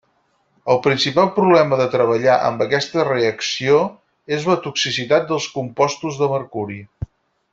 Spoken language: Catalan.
El principal problema de treballar amb aquesta reacció és la toxicitat dels compostos de mercuri.